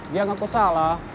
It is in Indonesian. dia ngaku salah